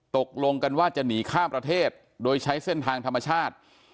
ตกลงกันว่าจะหนีข้ามประเทศโดยใช้เส้นทางธรรมชาติ